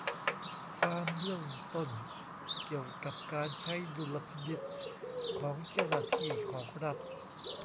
ความเบื้องต้นเกี่ยวกับการใช้ดุลพินิจของเจ้าหน้าที่ของรัฐ